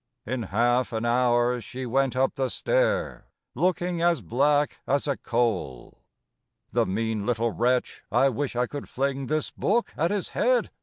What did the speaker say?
In half an hour she went up the stair, Looking as black as a coal! "The mean little wretch, I wish I could fling This book at his head!"